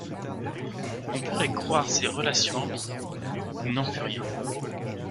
On pourrait croire ces relations ambiguës; il n'en fut rien.